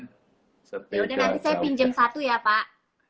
ya udah nanti saya pinjem satu ya pak